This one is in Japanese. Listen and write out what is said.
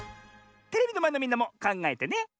テレビのまえのみんなもかんがえてね。